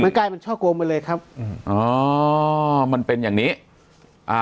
กลายเป็นช่อโกงไปเลยครับอืมอ๋อมันเป็นอย่างนี้อ่า